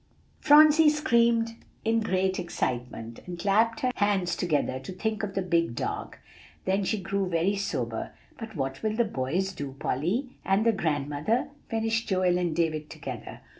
Phronsie screamed in great excitement, and clapped her hands together to think of the big dog. Then she grew very sober. "But what will the boys do, Polly?" "And the grandmother?" finished Joel and David together.